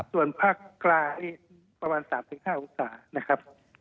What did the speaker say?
ส่วนภาคกลางประมาณ๓๕องศา